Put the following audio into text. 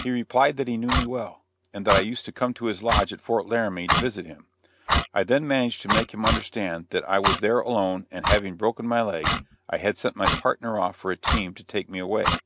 He replied that he knew me well, and that I used to come to his lodge at Fort Laramie to visit him. I then managed to make him understand that I was there alone and having broken my leg, I had sent my partner off for a team to take me away.